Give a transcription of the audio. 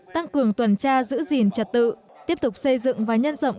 tăng cường tuần tra giữ gìn trật tự tiếp tục xây dựng và nhân rộng